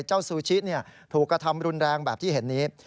ซูชิถูกกระทำรุนแรงแบบที่เห็นนี้